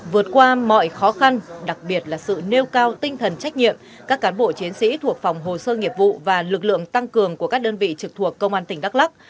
vượt qua mọi khó khăn đặc biệt là sự nêu cao tinh thần trách nhiệm các cán bộ chiến sĩ thuộc phòng hồ sơ nghiệp vụ và lực lượng tăng cường của các đơn vị trực thuộc công an tỉnh đắk lắc